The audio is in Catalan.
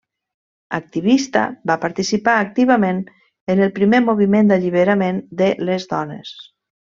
Activista, va participar activament en el primer Moviment d'Alliberament de les Dones.